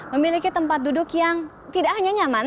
memiliki tempat duduk yang tidak hanya nyaman